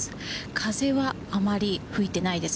風はあまり吹いていないです。